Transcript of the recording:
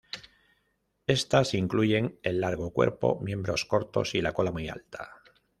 Estas incluyen el largo cuerpo, miembros cortos y la cola muy alta.